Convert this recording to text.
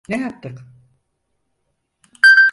Ne yaptık?